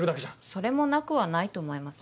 それもなくはないと思います。